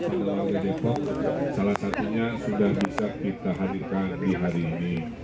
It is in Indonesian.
bersama wd depok salah satunya sudah bisa kita hadirkan di hari ini